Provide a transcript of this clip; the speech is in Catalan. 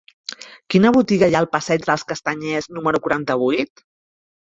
Quina botiga hi ha al passeig dels Castanyers número quaranta-vuit?